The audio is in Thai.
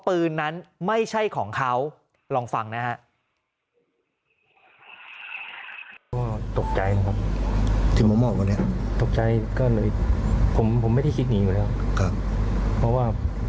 ปืนนั้นไม่ใช่ของเขาลองฟังนะฮะ